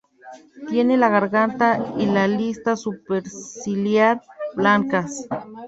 Tiene la garganta y la lista superciliar blancas.